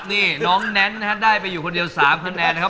นี่น้องแนนนะฮะได้ไปอยู่คนเดียว๓คะแนนนะครับ